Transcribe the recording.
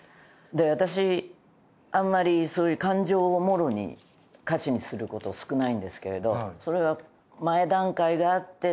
私あんまりそういう感情をモロに歌詞にする事少ないんですけれどそれは前段階があって。